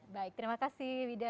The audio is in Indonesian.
baik terima kasih wida